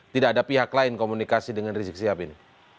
tidak ada pihak lain komunikasi dengan rizik sihab ini